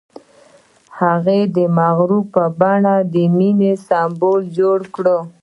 هغه د غروب په بڼه د مینې سمبول جوړ کړ.